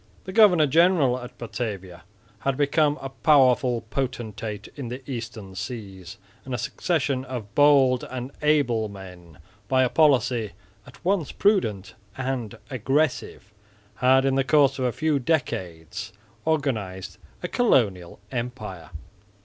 The governor general at Batavia had become a powerful potentate in the Eastern seas; and a succession of bold and able men, by a policy at once prudent and aggressive, had in the course of a few decades organised a colonial empire.